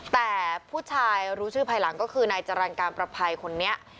แต่ผู้ชายรู้ชื่อภายหลังก็คือนายจรรย์การประภัยคนนี้